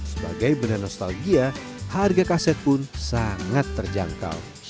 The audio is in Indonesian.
sebagai benda nostalgia harga kaset pun sangat terjangkau